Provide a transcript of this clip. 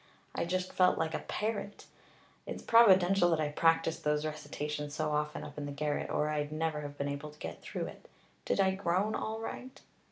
I just felt like a parrot. It's providential that I practiced those recitations so often up in the garret, or I'd never have been able to get through. Did I groan all right?"